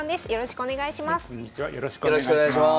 よろしくお願いします。